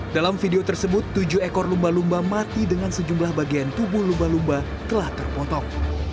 dalam video tersebut tujuh ekor lumba lumba mati dengan sejumlah bagian tubuh lumba lumba telah terpotong